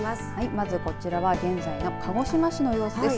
まず、こちらは現在の鹿児島市の様子です。